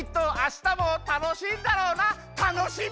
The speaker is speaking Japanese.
たのしみ！